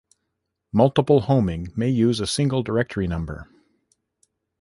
Multiple homing may use a single directory number.